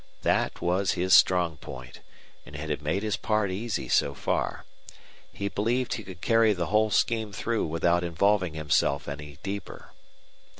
That was his strong point, and it had made his part easy so far. He believed he could carry the whole scheme through without involving himself any deeper.